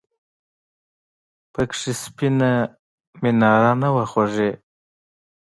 پکې سپینه میناره نه وه خوږې !